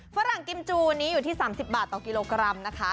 ฝรั่งกิมจูนี้อยู่ที่๓๐บาทต่อกิโลกรัมนะคะ